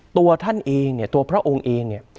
ตัวท่านเองเนี่ยตัวพระองค์เองเนี่ย